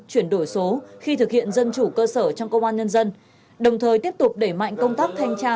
chuyển đổi số khi thực hiện dân chủ cơ sở trong công an nhân dân đồng thời tiếp tục đẩy mạnh công tác thanh tra